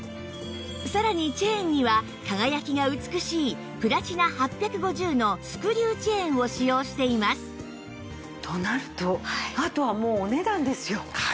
さらにチェーンには輝きが美しいプラチナ８５０のスクリューチェーンを使用していますとなるとあとはもうお値段ですよ。